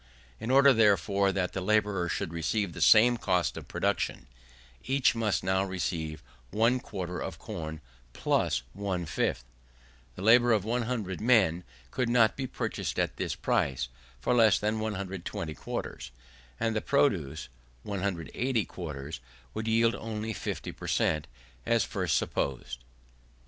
In order, therefore, that each labourer should receive the same cost of production, each must now receive one quarter of corn, plus one fifth. The labour of 100 men could not be purchased at this price for less than 120 quarters; and the produce, 180 quarters, would yield only 50 per cent, as first supposed .